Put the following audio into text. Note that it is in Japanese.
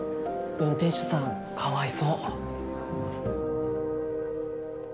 運転手さんかわいそう。